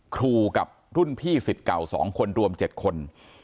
ครูกับรุ่นพี่ศิษย์เก่าสองคนรวมเจ็ดคน